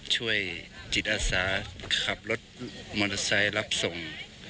ช่วยจิตอาสาขับรถมอเตอร์ไซค์รับส่ง